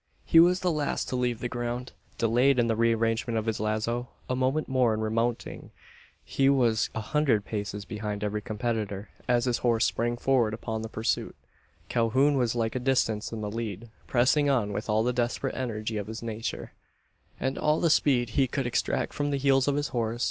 He was the last to leave the ground. Delayed in the rearrangement of his lazo a moment more in remounting he was a hundred paces behind every competitor, as his horse sprang forward upon the pursuit. Calhoun was a like distance in the lead, pressing on with all the desperate energy of his nature, and all the speed he could extract from the heels of his horse.